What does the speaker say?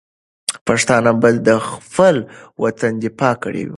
پښتانه به د خپل وطن دفاع کړې وي.